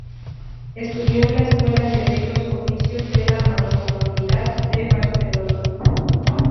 Estudió en la Escuela de Bellos Oficios de la Mancomunidad de Barcelona.